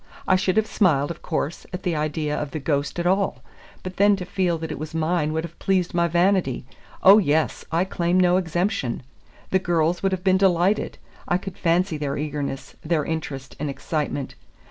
I should have smiled, of course, at the idea of the ghost at all, but then to feel that it was mine would have pleased my vanity. Oh, yes, I claim no exemption. The girls would have been delighted. I could fancy their eagerness, their interest, and excitement.